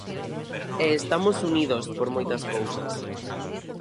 E estamos unidos por moitas cousas.